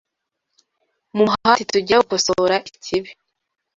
Mu muhati tugira wo gukosora ikibi,